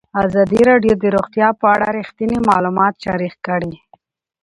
ازادي راډیو د روغتیا په اړه رښتیني معلومات شریک کړي.